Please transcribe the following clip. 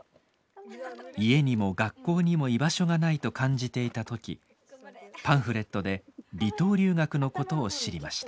家にも学校にも居場所がないと感じていた時パンフレットで離島留学のことを知りました。